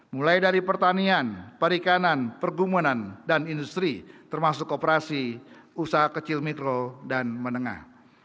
mulai dari pertanian perikanan pergumunan dan industri termasuk operasi usaha kecil mikro dan menengah